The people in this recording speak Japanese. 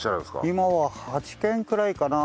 今は８軒くらいかな？